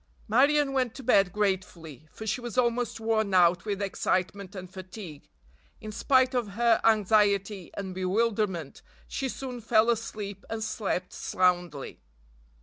Marion went to bed gratefully, for she was almost worn out with excitement and fatigue. In spite of her anxiety and bewilderment she soon fell asleep and slept soundly.